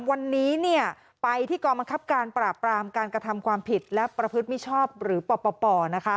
วันนี้เนี่ยไปที่กองบังคับการปราบปรามการกระทำความผิดและประพฤติมิชชอบหรือปปนะคะ